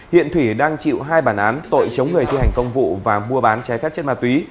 hiện thủy đang chịu hai bản án tội chống người thi hành công vụ và mua bán trái phép chất ma túy